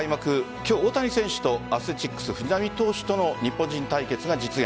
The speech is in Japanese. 今日、大谷選手とアスレチックス・藤浪投手との日本人対決が実現。